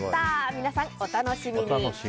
皆さん、お楽しみに！